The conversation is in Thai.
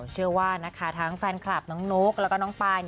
เชื่อว่านะคะทั้งแฟนคลับน้องนุ๊กแล้วก็น้องปาย